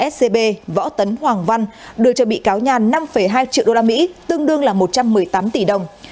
scb võ tấn hoàng văn đưa cho bị cáo nhàn năm hai triệu usd tương đương là một trăm một mươi tám tỷ đồng